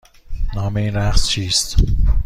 نام این رقص چیست؟